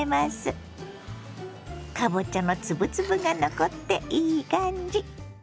かぼちゃの粒々が残っていい感じ。